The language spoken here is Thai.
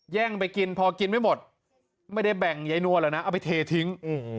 แย่งไปกินพอกินไม่หมดไม่ได้แบ่งยายนวลแล้วนะเอาไปเททิ้ง